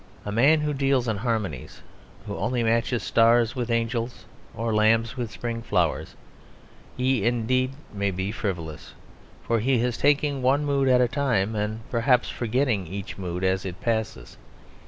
A man who deals in harmonies, who only matches stars with angels or lambs with spring flowers, he indeed may be frivolous; for he is taking one mood at a time, and perhaps forgetting each mood as it passes.